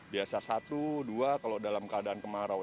biasa satu dua kalau dalam keadaan kemarau